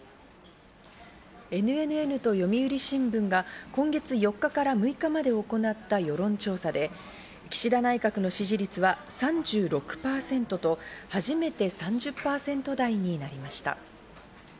ＮＮＮと読売新聞が今月４日から６日まで行った世論調査で、岸田内閣の支持率は３６％と、初めて３０％台になりました。